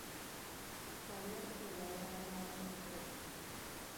Sabía que podía haber algo más en ese coro".